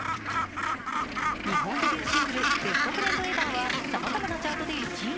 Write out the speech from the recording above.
日本デビューシングル「ＢｅｓｔＦｒｉｅｎｄＥｖｅｒ」はさまざまなチャートで１位に。